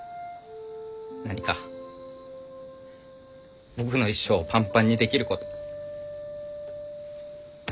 何か僕の一生をパンパンにできること。